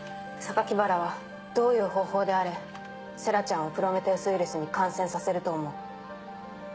原はどういう方法であれ星来ちゃんをプロメテウス・ウイルスに感染させると思う。